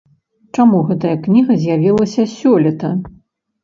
Чаму гэтая кніга з'явілася сёлета?